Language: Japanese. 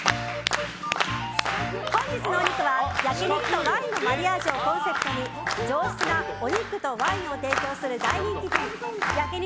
本日のお肉は焼き肉とワインのマリアージュをコンセプトに上質なお肉とワインを提供する大人気店焼肉